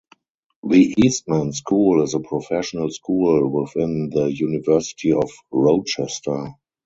The Eastman School is a professional school within the University of Rochester.